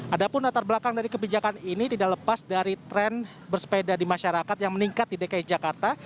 ada pun latar belakang dari kebijakan ini tidak lepas dari tren bersepeda di masyarakat yang meningkat di dki jakarta